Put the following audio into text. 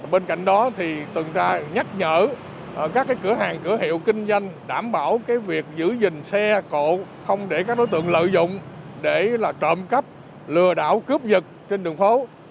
bên cạnh đó tuần tra nhắc nhở các cửa hàng cửa hiệu kinh doanh đảm bảo việc giữ gìn xe cộ không để các đối tượng lợi dụng để trộm cắp lừa đảo cướp vật trên đường phố